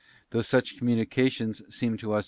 Though such communications seem to us.